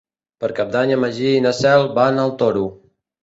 Per Cap d'Any en Magí i na Cel van al Toro.